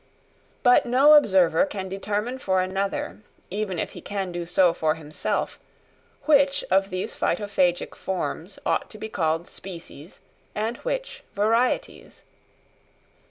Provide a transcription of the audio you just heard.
But no observer can determine for another, even if he can do so for himself, which of these Phytophagic forms ought to be called species and which varieties.